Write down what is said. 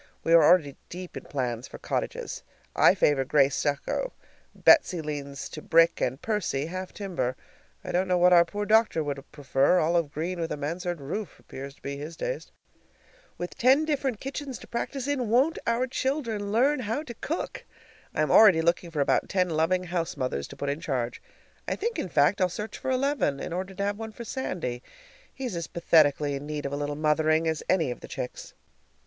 We are already deep in plans for cottages. I favor gray stucco, Betsy leans to brick, and Percy, half timber. I don't know what our poor doctor would prefer; olive green with a mansard roof appears to be his taste. With ten different kitchens to practice in, won't our children learn how to cook! I am already looking about for ten loving house mothers to put in charge. I think, in fact, I'll search for eleven, in order to have one for Sandy. He's as pathetically in need of a little mothering as any of the chicks.